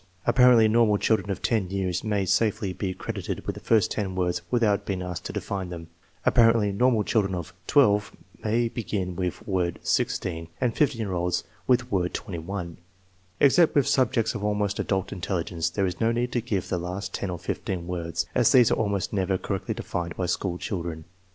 Apparently normal children of 10 years may safely be cred * ited with the first ten words without being asked to define them. Apparently normal children of 12 may begin with word 16, and 15 year olds with word 1. Except with sub jects of almost adult intelligence there is no need to give the last ten or fifteen words, as these are almost never cor rectly defined by school children.